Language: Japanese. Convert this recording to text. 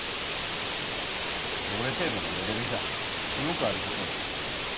俺程度のレベルじゃよくある事やし。